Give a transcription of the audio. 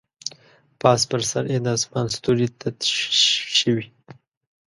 پاس پر سر یې د اسمان ستوري تت شوي